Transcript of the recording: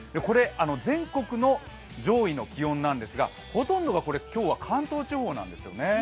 全国の上位の気温なんですがほとんどが、これ今日は関東地方なんですよね。